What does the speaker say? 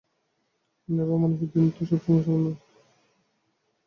নেবা মানুষের দিন তো সব সময় সমান যায় না।